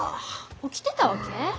起きてたわけ？